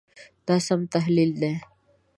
دا سم تحلیل دی.